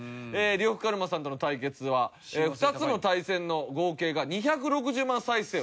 呂布カルマさんとの対決は２つの対戦の合計が２６０万再生を超えております。